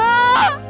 apa yang terjadi